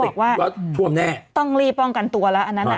กว่ารถท่วมแน่ต้องรีบป้องกันตัวแล้วอันนั้นอ่ะ